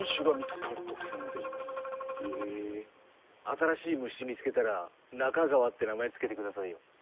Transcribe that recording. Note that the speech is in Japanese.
新しい虫見つけたら「ナカガワ」って名前付けてくださいよ。